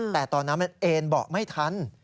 แต่ตอนนั้นมันเอ็นเบาะไม่ทัน